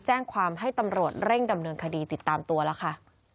แจ้งความให้ตำรวจเร่งดำเนินคดีติดตามตัวแล้วค่ะ